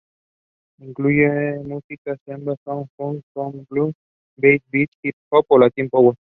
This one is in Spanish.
Incluye música samba, son, funk, soul, blues, big beat, hip-hop o latin power.